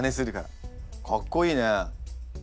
かっこいいね。